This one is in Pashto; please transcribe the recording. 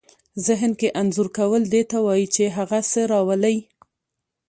ذهن کې انځور کول دې ته وايي چې هغه څه راولئ.